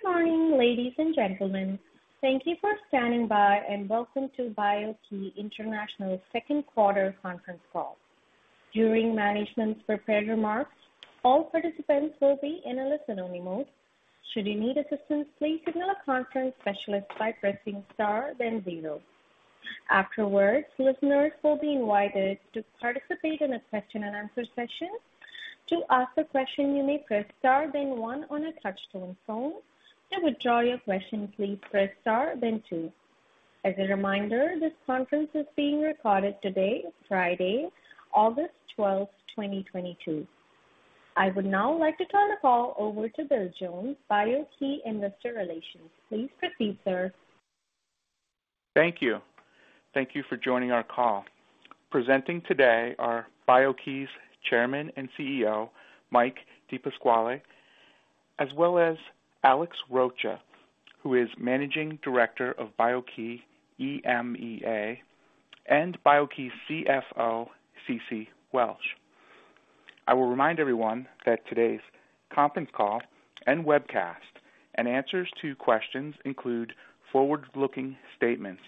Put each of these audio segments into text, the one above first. Good morning, ladies and gentlemen. Thank you for standing by, and welcome to BIO-key International's second quarter conference call. During management's prepared remarks, all participants will be in a listen-only mode. Should you need assistance, please signal a conference specialist by pressing Star then Zero. Afterwards, listeners will be invited to participate in a question and answer session. To ask a question, you may press Star then One on a touch-tone phone. To withdraw your question, please press Star then Two. As a reminder, this conference is being recorded today, Friday, August 12th, 2022. I would now like to turn the call over to Bill Jones, BIO-key Investor Relations. Please proceed, sir. Thank you. Thank you for joining our call. Presenting today are BIO-key's Chairman and CEO, Mike DePasquale, as well as Alex Rocha, who is Managing Director of BIO-key EMEA, and BIO-key's CFO, Ceci Welch. I will remind everyone that today's conference call and webcast, and answers to questions include forward-looking statements,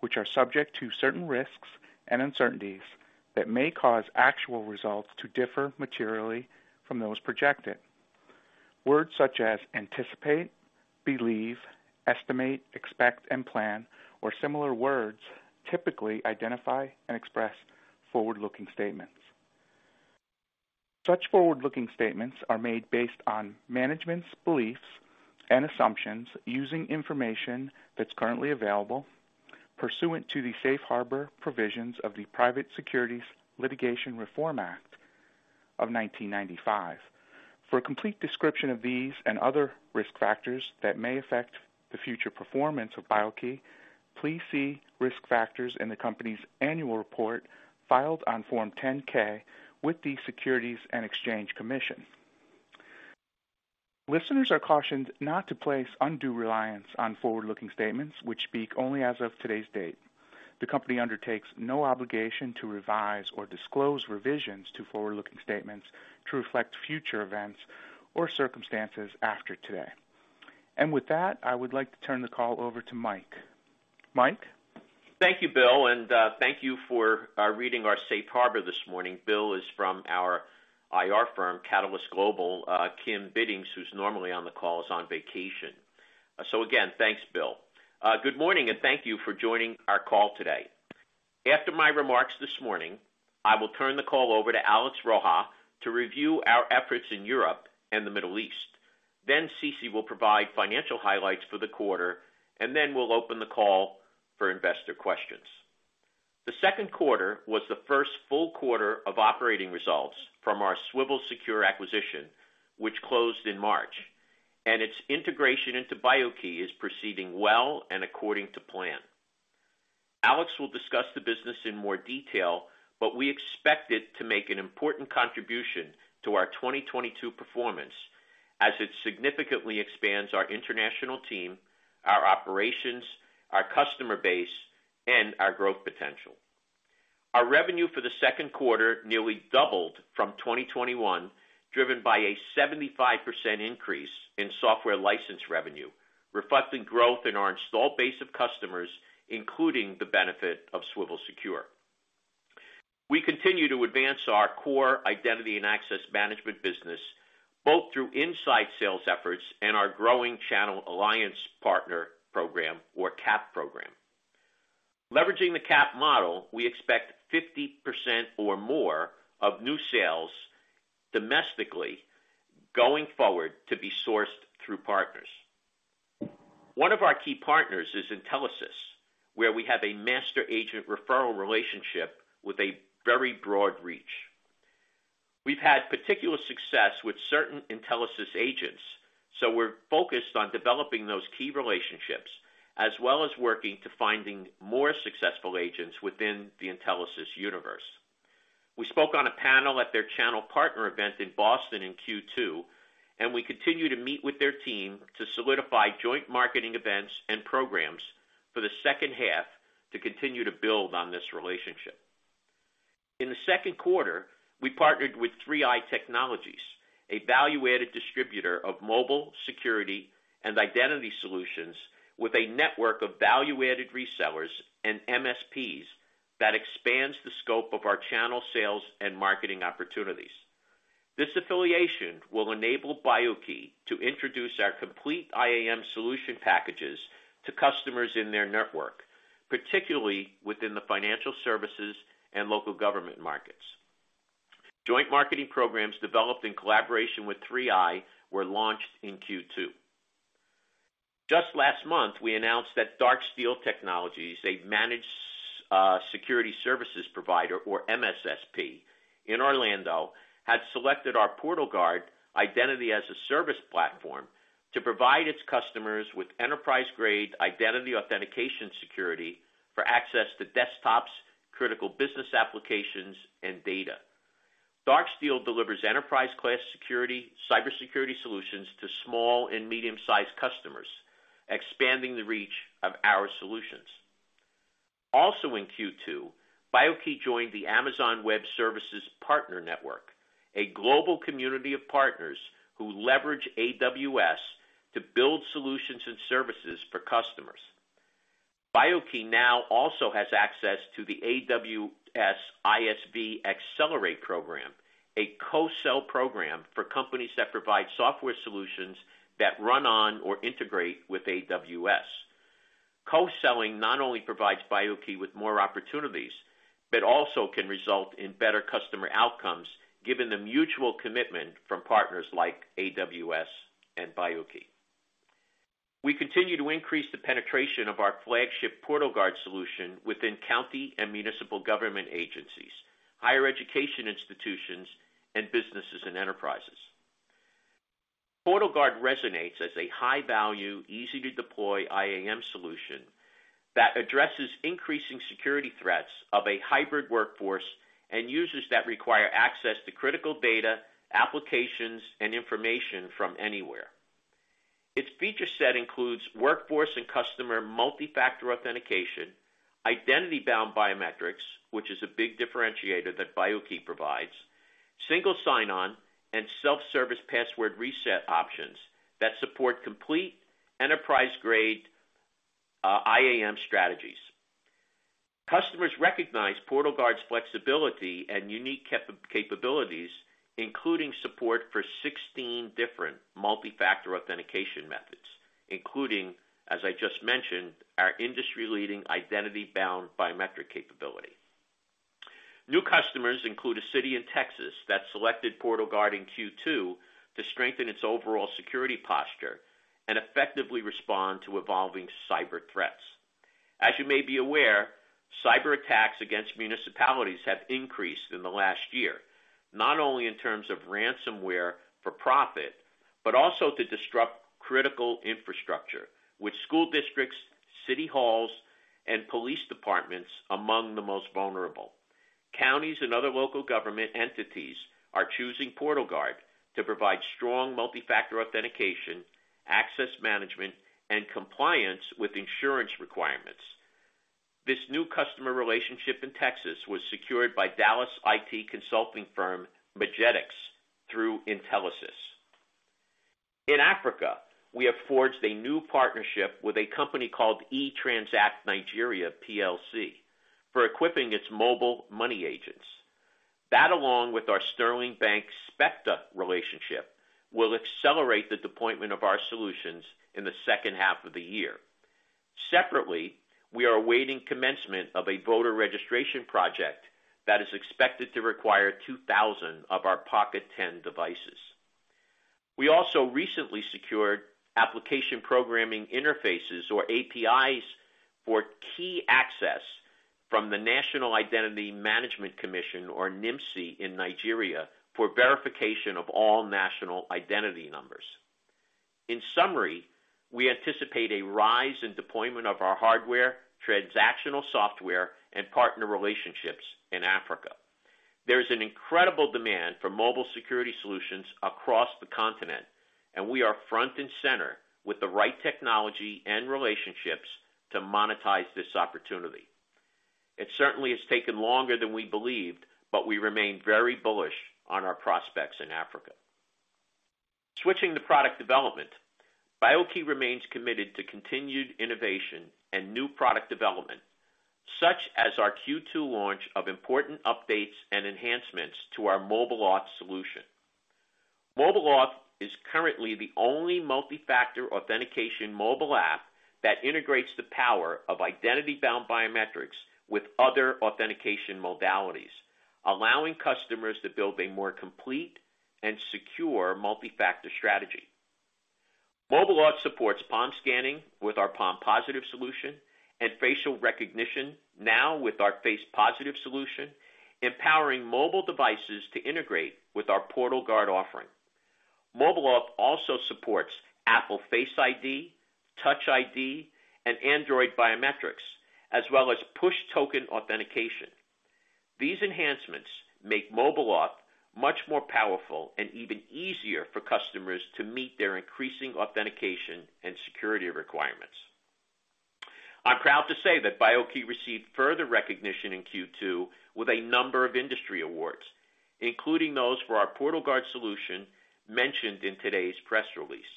which are subject to certain risks and uncertainties that may cause actual results to differ materially from those projected. Words such as anticipate, believe, estimate, expect and plan, or similar words, typically identify and express forward-looking statements. Such forward-looking statements are made based on management's beliefs and assumptions using information that's currently available, pursuant to the safe harbor provisions of the Private Securities Litigation Reform Act of 1995. For a complete description of these and other risk factors that may affect the future performance of BIO-key, please see Risk Factors in the company's annual report filed on Form 10-K with the Securities and Exchange Commission. Listeners are cautioned not to place undue reliance on forward-looking statements which speak only as of today's date. The company undertakes no obligation to revise or disclose revisions to forward-looking statements to reflect future events or circumstances after today. With that, I would like to turn the call over to Mike. Mike. Thank you, Bill, and, thank you for reading our safe harbor this morning. Bill is from our IR firm, Catalyst Global. Kim Biddings, who's normally on the call, is on vacation. So again, thanks, Bill. Good morning, and thank you for joining our call today. After my remarks this morning, I will turn the call over to Alex Rocha to review our efforts in Europe and the Middle East. Then Ceci will provide financial highlights for the quarter, and then we'll open the call for investor questions. The second quarter was the first full quarter of operating results from our Swivel Secure acquisition, which closed in March, and its integration into BIO-key is proceeding well and according to plan. Alex will discuss the business in more detail, but we expect it to make an important contribution to our 2022 performance as it significantly expands our international team, our operations, our customer base, and our growth potential. Our revenue for the second quarter nearly doubled from 2021, driven by a 75% increase in software license revenue, reflecting growth in our installed base of customers, including the benefit of Swivel Secure. We continue to advance our core identity and access management business, both through inside sales efforts and our growing Channel Alliance Partner program or CAP program. Leveraging the CAP model, we expect 50% or more of new sales domestically going forward to be sourced through partners. One of our key partners is Intelisys, where we have a master agent referral relationship with a very broad reach. We've had particular success with certain Intelisys agents, so we're focused on developing those key relationships, as well as working to finding more successful agents within the Intelisys universe. We spoke on a panel at their channel partner event in Boston in Q2, and we continue to meet with their team to solidify joint marketing events and programs for the second half to continue to build on this relationship. In the second quarter, we partnered with 3i Technologies, a value-added distributor of mobile security and identity solutions with a network of value-added resellers and MSPs that expands the scope of our channel sales and marketing opportunities. This affiliation will enable BIO-key to introduce our complete IAM solution packages to customers in their network, particularly within the financial services and local government markets. Joint marketing programs developed in collaboration with 3i were launched in Q2. Just last month, we announced that Darksteel Technologies, a managed security services provider, or MSSP, in Orlando, had selected our PortalGuard identity-as-a-service platform to provide its customers with enterprise-grade identity authentication security for access to desktops, critical business applications, and data. Darksteel Technologies delivers enterprise-class security, cybersecurity solutions to small and medium-sized customers, expanding the reach of our solutions. Also in Q2, BIO-key joined the Amazon Web Services Partner Network, a global community of partners who leverage AWS to build solutions and services for customers. BIO-key now also has access to the AWS ISV Accelerate Program, a co-sell program for companies that provide software solutions that run on or integrate with AWS. Co-selling not only provides BIO-key with more opportunities, but also can result in better customer outcomes given the mutual commitment from partners like AWS and BIO-key. We continue to increase the penetration of our flagship PortalGuard solution within county and municipal government agencies, higher education institutions and businesses and enterprises. PortalGuard resonates as a high value, easy to deploy IAM solution that addresses increasing security threats of a hybrid workforce and users that require access to critical data, applications and information from anywhere. Its feature set includes workforce and customer multi-factor authentication, identity-bound biometrics, which is a big differentiator that BIO-key provides, single sign-on and self-service password reset options that support complete enterprise-grade IAM strategies. Customers recognize PortalGuard's flexibility and unique capabilities, including support for 16 different multi-factor authentication methods, including, as I just mentioned, our industry-leading identity-bound biometric capability. New customers include a city in Texas that selected PortalGuard in Q2 to strengthen its overall security posture and effectively respond to evolving cyber threats. As you may be aware, cyber attacks against municipalities have increased in the last year, not only in terms of ransomware for profit, but also to disrupt critical infrastructure with school districts, city halls, and police departments among the most vulnerable. Counties and other local government entities are choosing PortalGuard to provide strong multi-factor authentication, access management and compliance with insurance requirements. This new customer relationship in Texas was secured by Dallas IT consulting firm Magetics through Intelisys. In Africa, we have forged a new partnership with a company called eTranzact International Plc for equipping its mobile money agents. That, along with our Sterling Bank Specta relationship, will accelerate the deployment of our solutions in the second half of the year. Separately, we are awaiting commencement of a voter registration project that is expected to require 2,000 of our Pocket10 devices. We also recently secured application programming interfaces, or APIs for key access from the National Identity Management Commission, or NIMC in Nigeria for verification of all national identity numbers. In summary, we anticipate a rise in deployment of our hardware, transactional software and partner relationships in Africa. There is an incredible demand for mobile security solutions across the continent, and we are front and center with the right technology and relationships to monetize this opportunity. It certainly has taken longer than we believed, but we remain very bullish on our prospects in Africa. Switching to product development, BIO-key remains committed to continued innovation and new product development, such as our Q2 launch of important updates and enhancements to our MobileAuth solution. MobileAuth is currently the only multi-factor authentication mobile app that integrates the power of Identity-Bound Biometrics with other authentication modalities, allowing customers to build a more complete and secure multi-factor strategy. MobileAuth supports palm scanning with our PalmPositive solution and facial recognition now with our FacePositive solution, empowering mobile devices to integrate with our PortalGuard offering. MobileAuth also supports Apple Face ID, Touch ID, and Android biometrics, as well as push token authentication. These enhancements make MobileAuth much more powerful and even easier for customers to meet their increasing authentication and security requirements. I'm proud to say that BIO-key received further recognition in Q2 with a number of industry awards, including those for our PortalGuard solution mentioned in today's press release.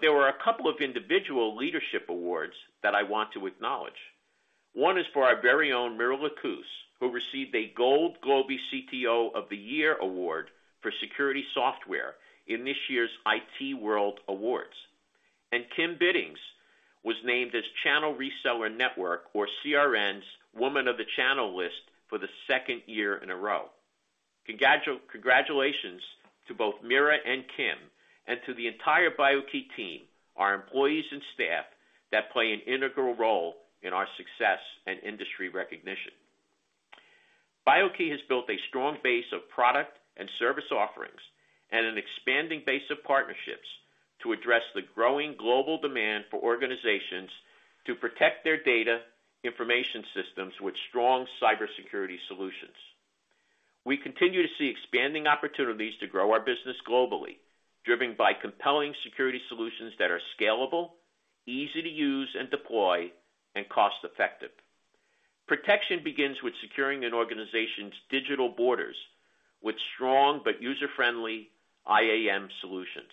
There were a couple of individual leadership awards that I want to acknowledge. One is for our very own Mira LaCous, who received a Gold Globee CTO of the Year award for security software in this year's IT World Awards. Kim Biddings was named as Computer Reseller News or CRN's Woman of the Channel list for the second year in a row. Congratulations to both Mira and Kim and to the entire BIO-key team, our employees and staff that play an integral role in our success and industry recognition. BIO-key has built a strong base of product and service offerings and an expanding base of partnerships to address the growing global demand for organizations to protect their data information systems with strong cybersecurity solutions. We continue to see expanding opportunities to grow our business globally, driven by compelling security solutions that are scalable, easy to use and deploy, and cost effective. Protection begins with securing an organization's digital borders with strong but user-friendly IAM solutions.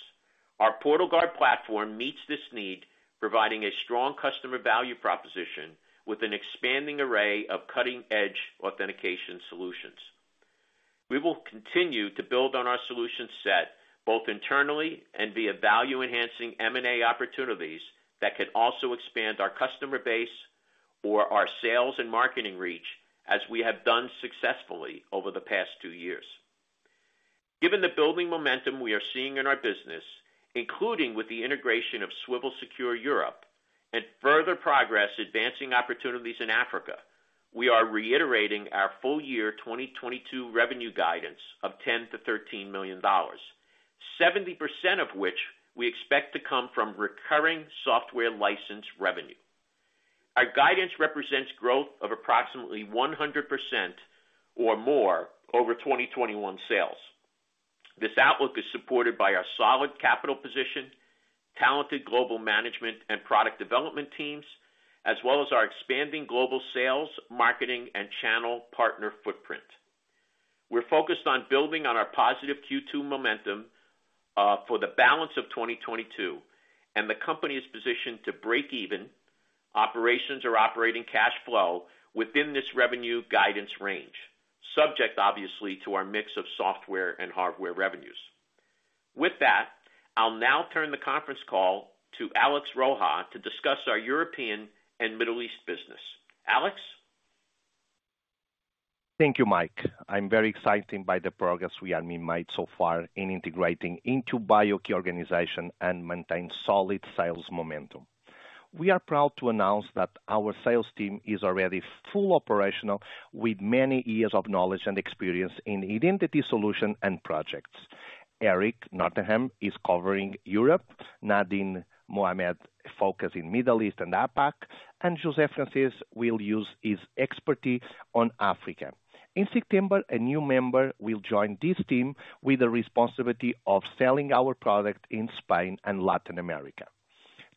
Our PortalGuard platform meets this need, providing a strong customer value proposition with an expanding array of cutting-edge authentication solutions. We will continue to build on our solution set both internally and via value-enhancing M&A opportunities that can also expand our customer base or our sales and marketing reach, as we have done successfully over the past two years. Given the building momentum we are seeing in our business, including with the integration of Swivel Secure Europe and further progress advancing opportunities in Africa, we are reiterating our full year 2022 revenue guidance of $10 million-$13 million, 70% of which we expect to come from recurring software license revenue. Our guidance represents growth of approximately 100% or more over 2021 sales. This outlook is supported by our solid capital position, talented global management and product development teams, as well as our expanding global sales, marketing and channel partner footprint. We're focused on building on our positive Q2 momentum for the balance of 2022, and the company is positioned to break even operations or operating cash flow within this revenue guidance range, subject obviously to our mix of software and hardware revenues. With that, I'll now turn the conference call to Alex Rocha to discuss our European and Middle East business. Alex? Thank you, Mike. I'm very excited by the progress we have made so far in integrating into BIO-key organization and maintaining solid sales momentum. We are proud to announce that our sales team is already fully operational, with many years of knowledge and experience in identity solutions and projects. Eric Nottingham is covering Europe, Nadine Mohammed focusing Middle East and APAC, and Joseph Francis will use his expertise on Africa. In September, a new member will join this team with the responsibility of selling our product in Spain and Latin America.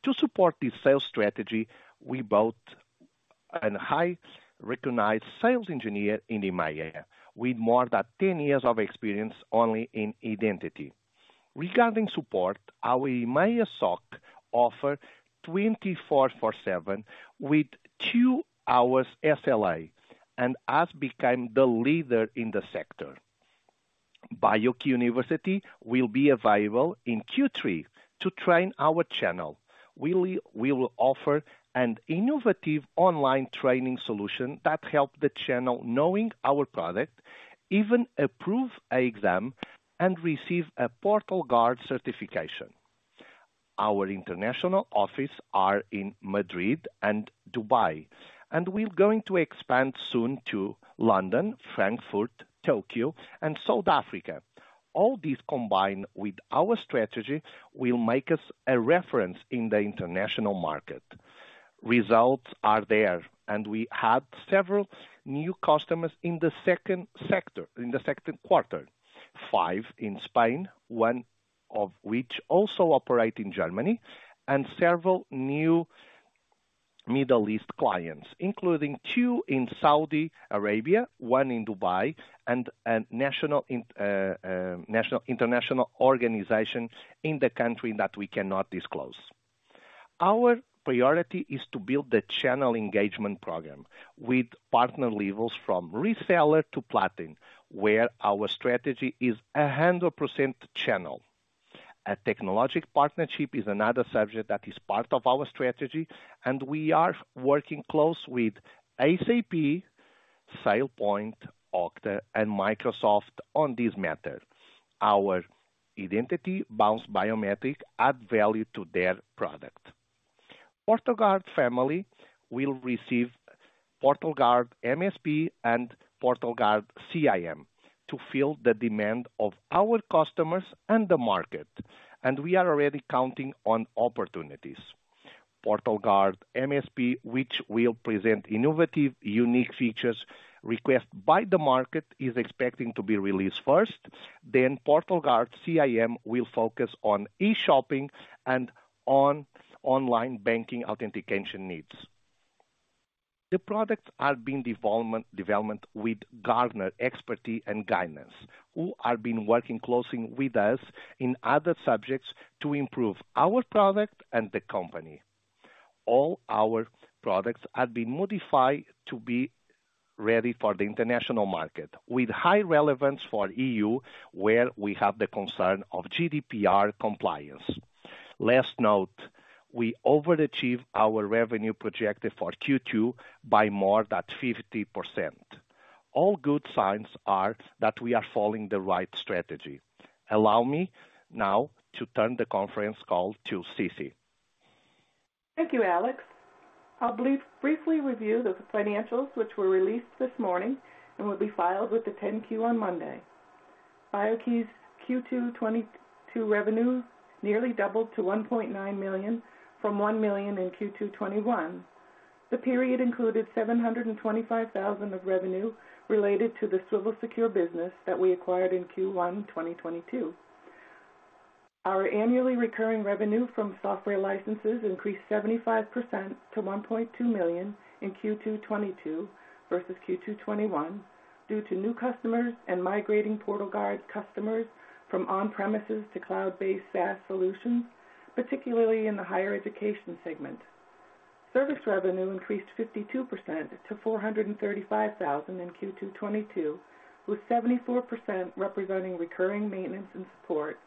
To support this sales strategy, we brought a highly recognized sales engineer in EMEA, with more than 10 years of experience only in identity. Regarding support, our EMEA SOC offers 24/7 with 2 hours SLA and has become the leader in the sector. BIO-key University will be available in Q3 to train our channel. We will offer an innovative online training solution that help the channel knowing our product, even approve exam and receive a PortalGuard certification. Our international office are in Madrid and Dubai, and we're going to expand soon to London, Frankfurt, Tokyo and South Africa. All this combined with our strategy will make us a reference in the international market. Results are there, and we had several new customers in the second quarter. Five in Spain, one of which also operate in Germany, and several new Middle East clients, including two in Saudi Arabia, one in Dubai and a national international organization in the country that we cannot disclose. Our priority is to build the channel engagement program with partner levels from reseller to platinum, where our strategy is 100% channel. A technological partnership is another subject that is part of our strategy, and we are working closely with SAP, SailPoint, Okta and Microsoft on this matter. Our identity-bound biometrics add value to their product. PortalGuard family will receive PortalGuard MSP and PortalGuard CIAM to fill the demand of our customers and the market, and we are already counting on opportunities. PortalGuard MSP, which will present innovative, unique features requested by the market, is expecting to be released first. Then PortalGuard CIAM will focus on e-shopping and on online banking authentication needs. The products are being developed with Gartner expertise and guidance, which have been working closely with us in other subjects to improve our product and the company. All our products have been modified to be ready for the international market with high relevance for EU, where we have the concern of GDPR compliance. Last note, we overachieved our revenue projected for Q2 by more than 50%. All good signs are that we are following the right strategy. Allow me now to turn the conference call to Ceci. Thank you, Alex. I'll briefly review the financials which were released this morning and will be filed with the 10-Q on Monday. BIO-key's Q2 2022 revenue nearly doubled to $1.9 million from $1 million in Q2 2022. The period included $725,000 of revenue related to the Swivel Secure business that we acquired in Q1 2022. Our annually recurring revenue from software licenses increased 75% to $1.2 million in Q2 2022 versus Q2 2021, due to new customers and migrating PortalGuard customers from on-premises to cloud-based SaaS solutions, particularly in the higher education segment. Service revenue increased 52% to $435,000 in Q2 2022, with 74% representing recurring maintenance and support.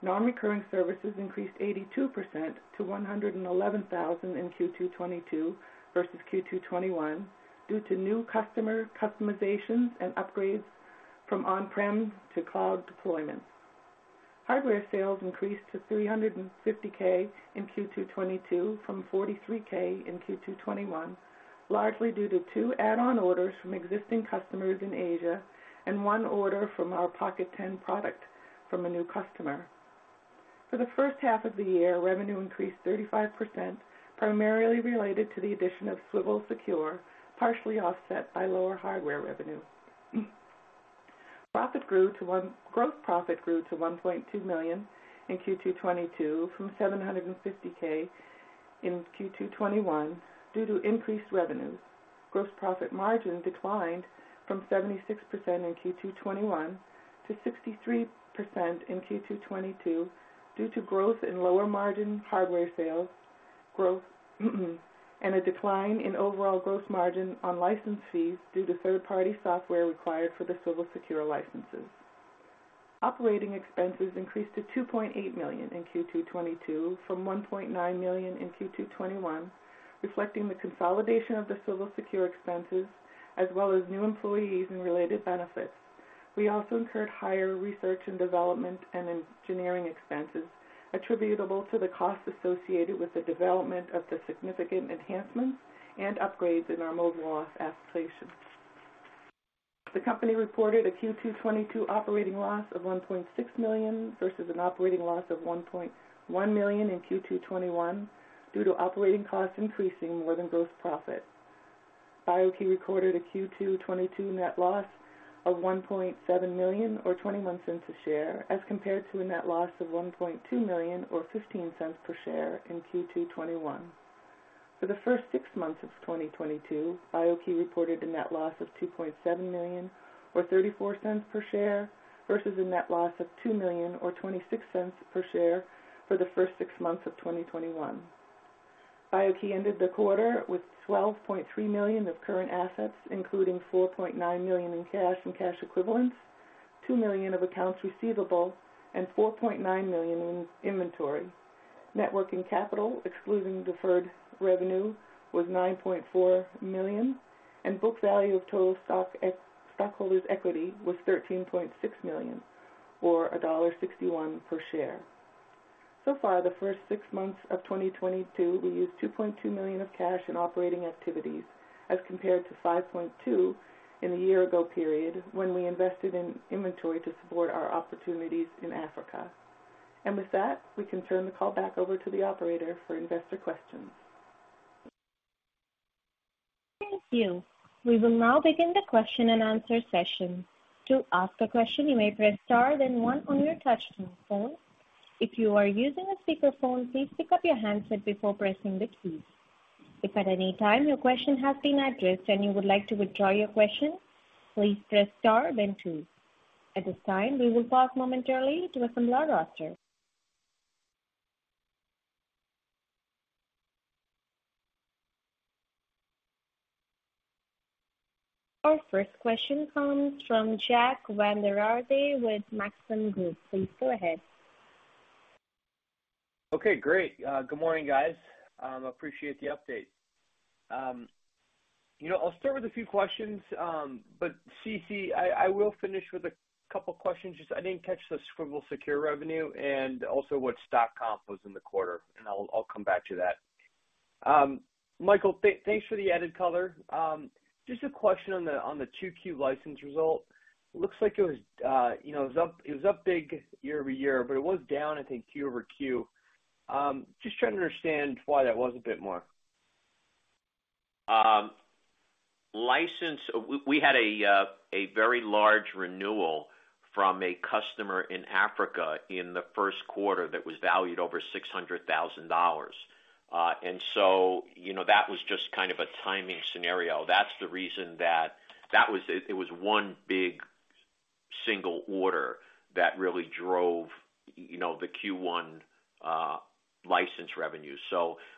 Non-recurring services increased 82% to $111,000 in Q2 2022 versus Q2 2021, due to new customer customizations and upgrades from on-prem to cloud deployments. Hardware sales increased to $350,000 in Q2 2022 from $43,000 in Q2 2021, largely due to two add-on orders from existing customers in Asia and one order from our Pocket Ten product from a new customer. For the first half of the year, revenue increased 35%, primarily related to the addition of Swivel Secure, partially offset by lower hardware revenue. Gross profit grew to $1.2 million in Q2 2022 from $750,000 in Q2 2021 due to increased revenues. Gross profit margin declined from 76% in Q2 2021 to 63% in Q2 2022 due to growth in lower margin hardware sales and a decline in overall gross margin on license fees due to third-party software required for the Swivel Secure licenses. Operating expenses increased to $2.8 million in Q2 2022 from $1.9 million in Q2 2021, reflecting the consolidation of the Swivel Secure expenses as well as new employees and related benefits. We also incurred higher research and development and engineering expenses attributable to the costs associated with the development of the significant enhancements and upgrades in our MobileAuth applications. The company reported a Q2 2022 operating loss of $1.6 million versus an operating loss of $1.1 million in Q2 2021 due to operating costs increasing more than gross profit. BIO-key recorded a Q2 2022 net loss of $1.7 million or $0.21 a share, as compared to a net loss of $1.2 million or $0.15 per share in Q2 2021. For the first six months of 2022, BIO-key reported a net loss of $2.7 million or 0.34 per share versus a net loss of $2 million or 26 cents per share for the first six months of 2021. BIO-key ended the quarter with $12.3 million of current assets, including $4.9 million in cash and cash equivalents, $2 million of accounts receivable, and $4.9 million in inventory. Net working capital, excluding deferred revenue, was $9.4 million, and book value of total stockholders' equity was $13.6 million or $1.61 per share. So far, the first six months of 2022, we used $2.2 million of cash in operating activities as compared to $5.2 million in the year ago period when we invested in inventory to support our opportunities in Africa. With that, we can turn the call back over to the operator for investor questions. Thank you. We will now begin the question-and-answer session. To ask a question, you may press star then one on your touchtone phone. If you are using a speakerphone, please pick up your handset before pressing the key. If at any time your question has been addressed and you would like to withdraw your question, please press star then two. At this time, we will pause momentarily to assemble our roster. Our first question comes from Jack Vander Aarde with Maxim Group. Please go ahead. Okay, great. Good morning, guys. Appreciate the update. You know, I'll start with a few questions. Ceci, I will finish with a couple questions. Just, I didn't catch the Swivel Secure revenue and also what stock comp was in the quarter, and I'll come back to that. Michael, thanks for the added color. Just a question on the 2Q license result. Looks like it was up big year-over-year, but it was down, I think, quarter-over-quarter. Just trying to understand why that was a bit more. We had a very large renewal from a customer in Africa in the first quarter that was valued over $600,000. And so, you know, that was just kind of a timing scenario. That's the reason that. That was one big single order that really drove you know, the Q1 license revenue.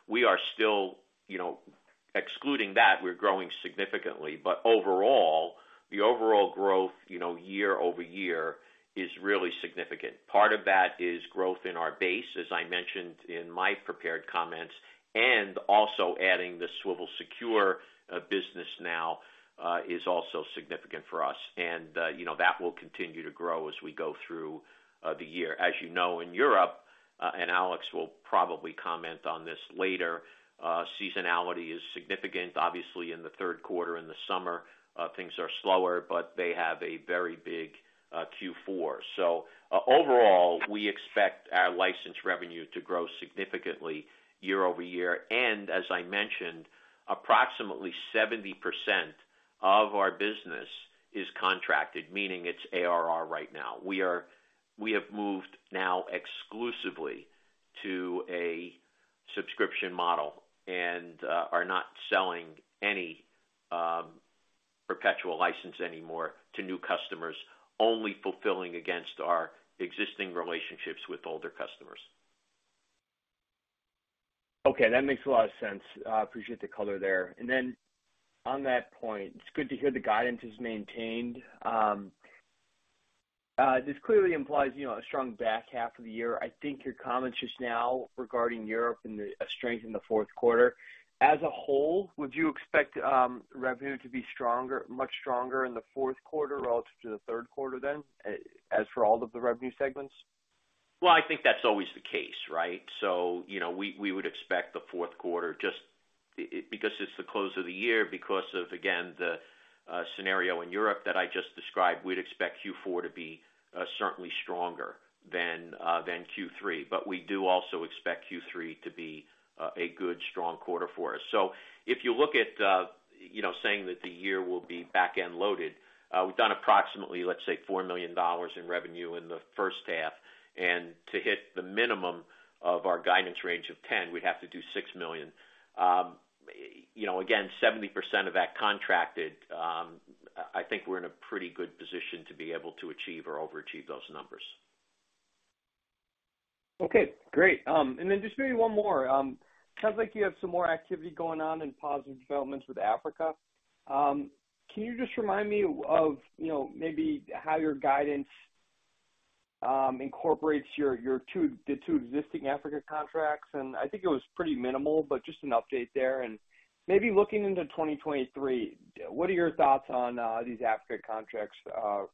We are still, you know. Excluding that, we're growing significantly. Overall, the overall growth, you know, year-over-year is really significant. Part of that is growth in our base, as I mentioned in my prepared comments, and also adding the Swivel Secure business now is also significant for us. You know, that will continue to grow as we go through the year. As you know, in Europe. Alex will probably comment on this later. Seasonality is significant. Obviously, in the third quarter, in the summer, things are slower, but they have a very big Q4. Overall, we expect our license revenue to grow significantly year-over-year. As I mentioned, approximately 70% of our business is contracted, meaning it's ARR right now. We have moved now exclusively to a subscription model and are not selling any perpetual license anymore to new customers, only fulfilling against our existing relationships with older customers. Okay, that makes a lot of sense. Appreciate the color there. On that point, it's good to hear the guidance is maintained. This clearly implies, you know, a strong back half of the year. I think your comments just now regarding Europe and the strength in the fourth quarter. As a whole, would you expect revenue to be stronger, much stronger in the fourth quarter relative to the third quarter than as for all of the revenue segments? Well, I think that's always the case, right? You know, we would expect the fourth quarter just because it's the close of the year, because of, again, the scenario in Europe that I just described. We'd expect Q4 to be certainly stronger than Q3. We do also expect Q3 to be a good strong quarter for us. If you look at, you know, saying that the year will be back-end loaded, we've done approximately, let's say, $4 million in revenue in the first half. To hit the minimum of our guidance range of $10 million, we'd have to do $6 million. You know, again, 70% of that contracted, I think we're in a pretty good position to be able to achieve or overachieve those numbers. Okay, great. Just maybe one more. Sounds like you have some more activity going on and positive developments with Africa. Can you just remind me of, you know, maybe how your guidance incorporates the two existing Africa contracts? I think it was pretty minimal, but just an update there. Looking into 2023, what are your thoughts on these Africa contracts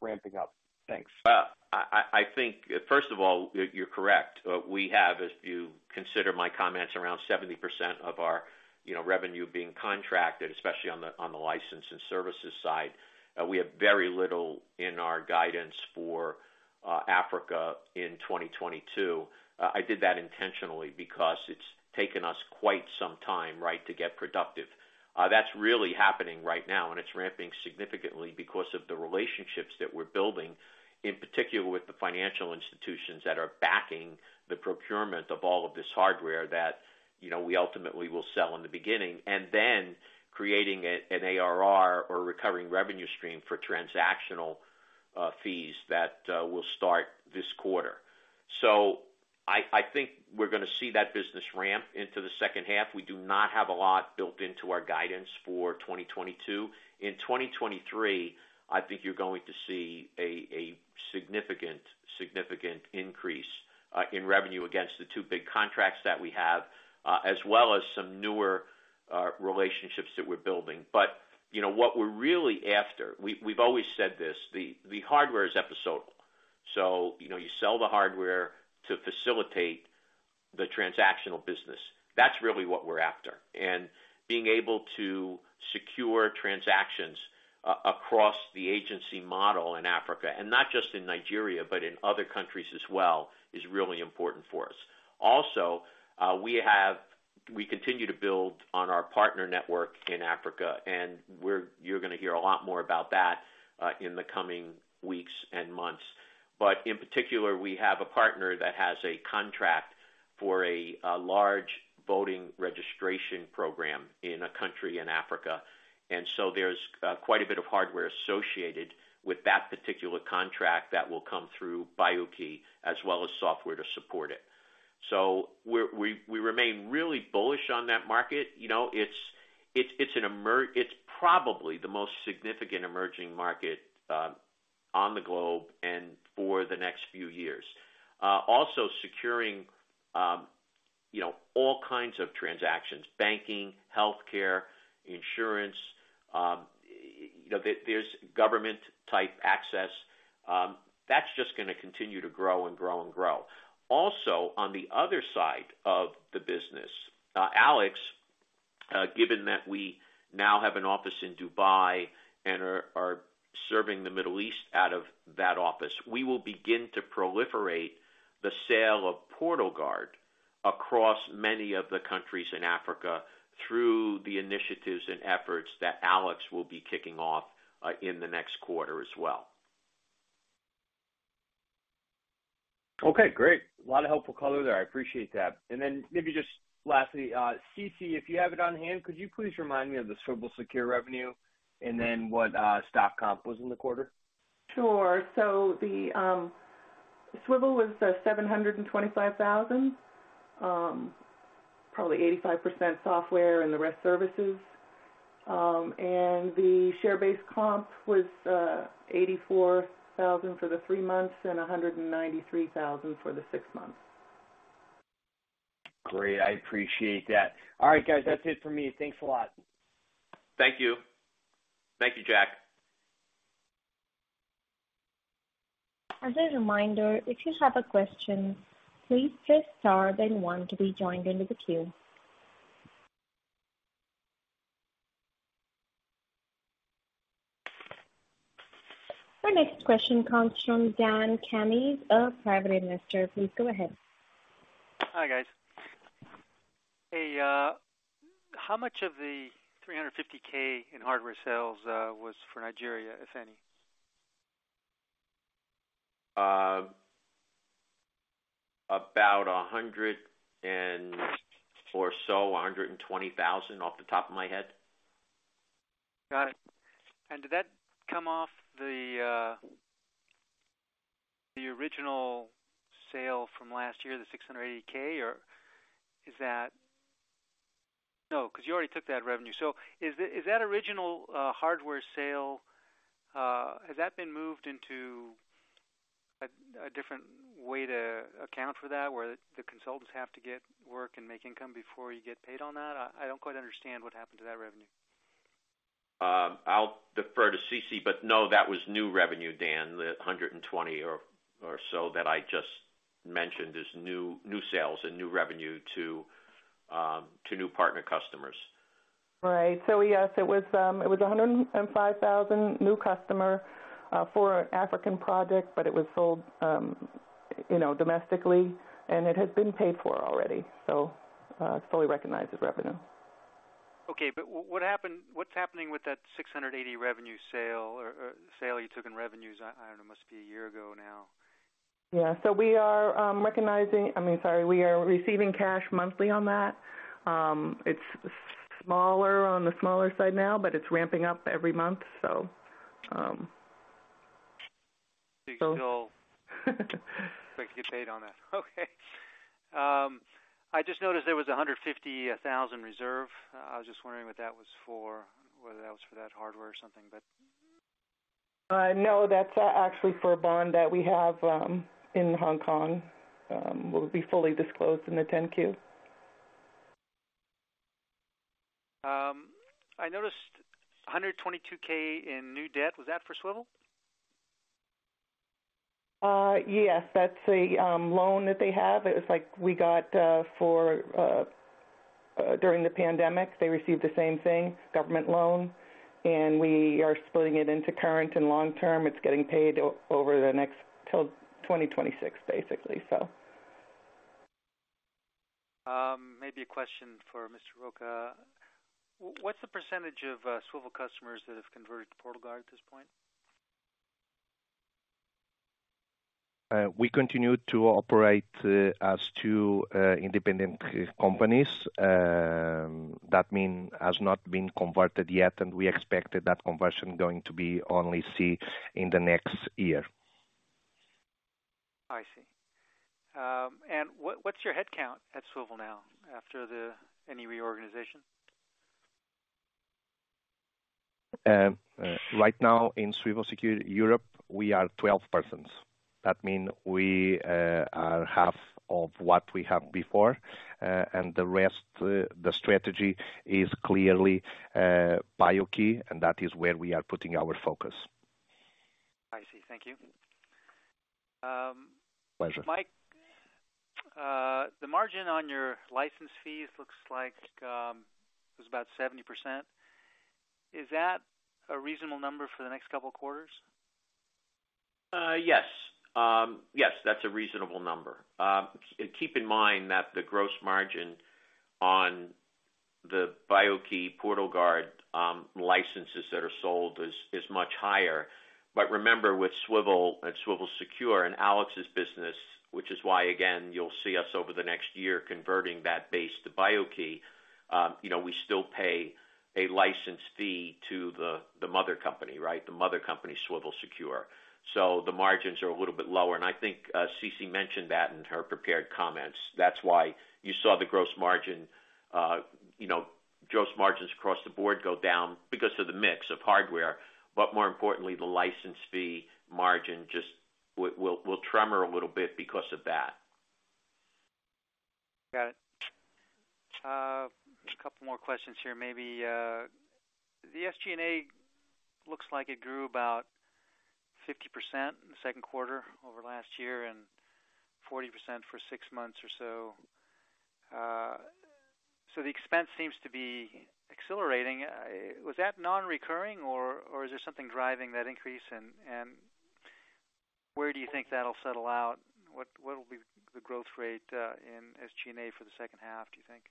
ramping up? Thanks. Well, I think, first of all, you're correct. We have, if you consider my comments, around 70% of our, you know, revenue being contracted, especially on the license and services side. We have very little in our guidance for Africa in 2022. I did that intentionally because it's taken us quite some time, right, to get productive. That's really happening right now, and it's ramping significantly because of the relationships that we're building, in particular with the financial institutions that are backing the procurement of all of this hardware that, you know, we ultimately will sell in the beginning. And then creating an ARR or recurring revenue stream for transactional fees that will start this quarter. I think we're gonna see that business ramp into the second half. We do not have a lot built into our guidance for 2022. In 2023, I think you're going to see a significant increase in revenue against the two big contracts that we have, as well as some newer relationships that we're building. You know, what we're really after, we've always said this, the hardware is episodic. You know, you sell the hardware to facilitate the transactional business. That's really what we're after. Being able to secure transactions across the agency model in Africa, and not just in Nigeria, but in other countries as well, is really important for us. Also, we continue to build on our partner network in Africa, and you're gonna hear a lot more about that in the coming weeks and months. In particular, we have a partner that has a contract for a large voting registration program in a country in Africa. There's quite a bit of hardware associated with that particular contract that will come through BIO-key, as well as software to support it. We remain really bullish on that market. You know, it's probably the most significant emerging market on the globe and for the next few years. Also securing, you know, all kinds of transactions, banking, healthcare, insurance, you know, there's government-type access that's just gonna continue to grow and grow and grow. Also, on the other side of the business, Alex, given that we now have an office in Dubai and are serving the Middle East out of that office, we will begin to proliferate the sale of PortalGuard across many of the countries in Africa through the initiatives and efforts that Alex will be kicking off, in the next quarter as well. Okay, great. A lot of helpful color there. I appreciate that. Then maybe just lastly, Ceci, if you have it on hand, could you please remind me of the Swivel Secure revenue and then what, stock comp was in the quarter? Sure. The Swivel was $725,000, probably 85% software and the rest services. The share-based comp was $84,000 for the three months and $193,000 for the six months. Great. I appreciate that. All right, guys, that's it for me. Thanks a lot. Thank you. Thank you, Jack. As a reminder, if you have a question, please press star then one to be joined into the queue. Our next question comes from Dan Cammis, a private investor. Please go ahead. Hi, guys. Hey, how much of the $350K in hardware sales was for Nigeria, if any? About $120,000 or so off the top of my head. Got it. Did that come off the original sale from last year, the $680K, or is that? No, 'cause you already took that revenue. Is that original hardware sale has been moved into a different way to account for that, where the consultants have to get work and make income before you get paid on that? I don't quite understand what happened to that revenue. I'll defer to Ceci, but no, that was new revenue, Dan. The 120 or so that I just mentioned is new sales and new revenue to new partner customers. Right. Yes, it was $105,000 from a new customer for an African project, but it was sold, you know, domestically, and it has been paid for already, so it's fully recognized as revenue. Okay. What happened, what's happening with that $680 revenue sale or sale you took in revenues? I don't know, it must be a year ago now. Yeah. We are receiving cash monthly on that. It's smaller on the smaller side now, but it's ramping up every month. You can all get paid on that. Okay. I just noticed there was a $150,000 reserve. I was just wondering what that was for, whether that was for that hardware or something, but. No, that's actually for a bond that we have in Hong Kong. It will be fully disclosed in the 10-Q. I noticed $122K in new debt. Was that for Swivel? Yes. That's the loan that they have. It's like we got for during the pandemic. They received the same thing, government loan, and we are splitting it into current and long-term. It's getting paid over the next till 2026, basically. Maybe a question for Mr. Rocha. What's the percentage of Swivel customers that have converted to PortalGuard at this point? We continue to operate as two independent companies. That merger has not been converted yet, and we expected that conversion going to be only seen in the next year. I see. What's your headcount at Swivel Secure now after any reorganization? Right now in Swivel Secure Europe, we are 12 persons. That mean we are half of what we have before, and the rest, the strategy is clearly BIO-key, and that is where we are putting our focus. I see. Thank you. Pleasure. Mike, the margin on your license fees looks like it was about 70%. Is that a reasonable number for the next couple of quarters? Yes, that's a reasonable number. Keep in mind that the gross margin on the BIO-key PortalGuard licenses that are sold is much higher. Remember, with Swivel Secure and Alex's business, which is why, again, you'll see us over the next year converting that base to BIO-key, you know, we still pay a license fee to the mother company, right? The mother company, Swivel Secure. So the margins are a little bit lower, and I think Ceci mentioned that in her prepared comments. That's why you saw the gross margin, you know, gross margins across the board go down because of the mix of hardware, but more importantly, the license fee margin just will trimmer a little bit because of that. Got it. Just a couple more questions here. Maybe the SG&A looks like it grew about 50% in the second quarter over last year and 40% for six months or so. So the expense seems to be accelerating. Was that non-recurring or is there something driving that increase? And where do you think that'll settle out? What will be the growth rate in SG&A for the second half, do you think?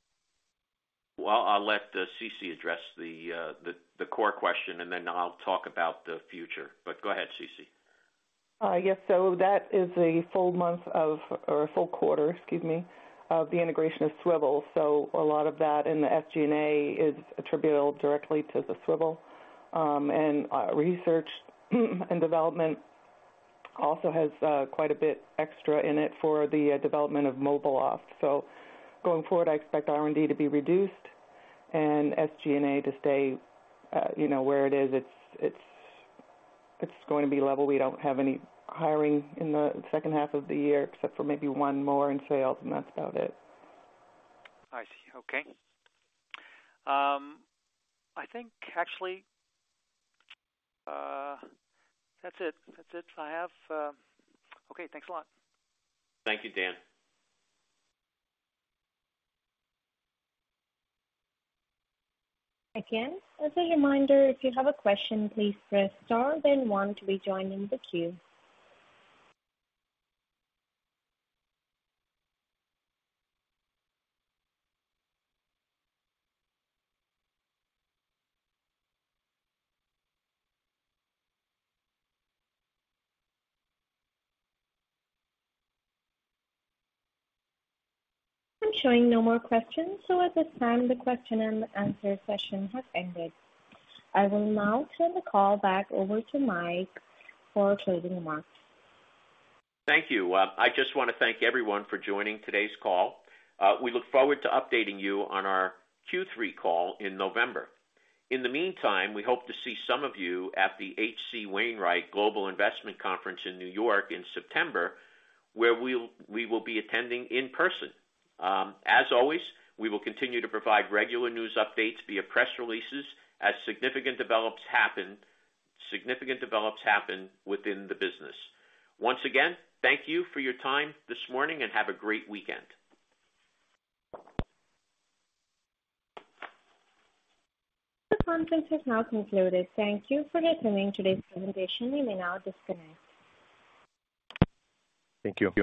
Well, I'll let Ceci address the core question, and then I'll talk about the future. Go ahead, Ceci. Yes. That is a full quarter of the integration of Swivel. A lot of that in the SG&A is attributable directly to the Swivel. Research and development also has quite a bit extra in it for the development of MobileAuth. Going forward, I expect R&D to be reduced and SG&A to stay, you know, where it is. It's going to be level. We don't have any hiring in the second half of the year except for maybe one more in sales, and that's about it. I see. Okay. I think actually, that's it. I have. Okay, thanks a lot. Thank you, Dan. Again, as a reminder, if you have a question, please press star then one to be joined in the queue. I'm showing no more questions. At this time, the question and answer session has ended. I will now turn the call back over to Mike for closing remarks. Thank you. I just wanna thank everyone for joining today's call. We look forward to updating you on our Q3 call in November. In the meantime, we hope to see some of you at the H.C. Wainwright Global Investment Conference in New York in September, where we will be attending in person. As always, we will continue to provide regular news updates via press releases as significant developments happen within the business. Once again, thank you for your time this morning, and have a great weekend. The conference has now concluded. Thank you for listening to today's presentation. You may now disconnect. Thank you.